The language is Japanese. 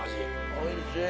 おいしい。